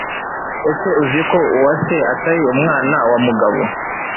ese uziko uwase atari umwana wa mugabo